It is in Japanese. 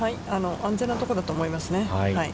安全なところだと思いますね。